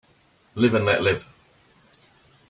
Live and let live.